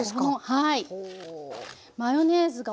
はい。